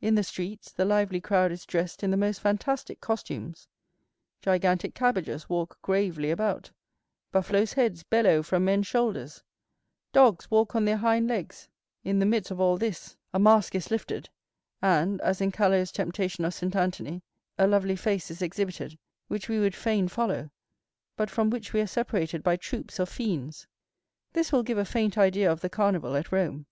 In the streets the lively crowd is dressed in the most fantastic costumes—gigantic cabbages walk gravely about, buffaloes' heads bellow from men's shoulders, dogs walk on their hind legs; in the midst of all this a mask is lifted, and, as in Callot's Temptation of St. Anthony, a lovely face is exhibited, which we would fain follow, but from which we are separated by troops of fiends. This will give a faint idea of the Carnival at Rome.